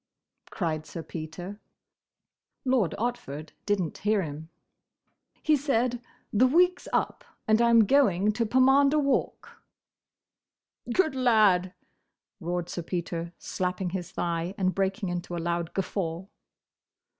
cried Sir Peter. Lord Otford didn't hear him. "He said, 'The week 's up, and I 'm going to Pomander Walk!'" "Good lad!" roared Sir Peter, slapping his thigh, and breaking into a loud guffaw.